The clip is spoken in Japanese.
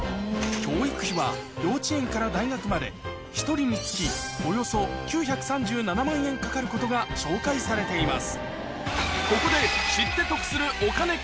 教育費は幼稚園から大学まで１人につきおよそ９３７万円かかることが紹介されています